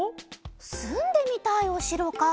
すんでみたいおしろか。